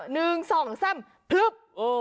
เผื้บ